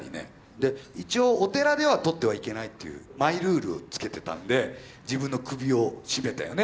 で一応お寺では撮ってはいけないというマイルールをつけてたんで自分の首を絞めたよね